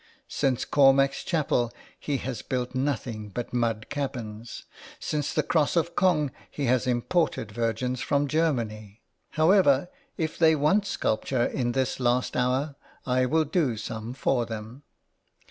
Since Cormac's Chapel he has built nothing but mud cabins. Since the Cross of Cong he has imported Virgins from Germany. However, if they want sculpture in this last hour I will do some for them."